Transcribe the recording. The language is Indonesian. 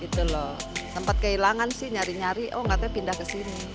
sempat kehilangan sih nyari nyari oh katanya pindah ke sini